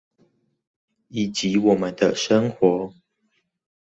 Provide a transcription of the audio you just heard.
以及我們的生活